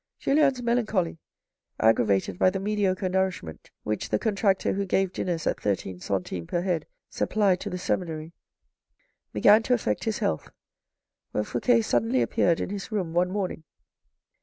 Julien's melancholy, aggravated by the mediocre nourishment which the contractor who gave dinners at thirteen centimes per head supplied to the seminary, began to affect his health, when Fouque suddenly appeared in his room one morning.